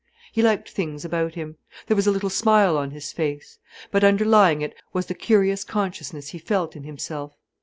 He liked things about him. There was a little smile on his face. But underlying it was the curious consciousness he felt in himself.